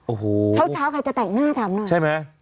โอ้โหเช้าใครจะแต่งหน้าถามหน่อยใช่ไหม